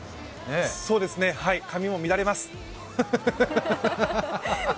そうですね、髪も乱れます。